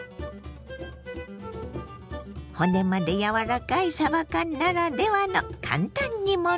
骨まで柔らかいさば缶ならではの簡単煮物。